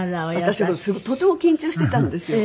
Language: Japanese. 私とても緊張してたんですよ。